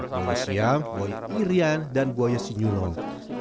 buaya siam buaya irian dan buaya sinyulong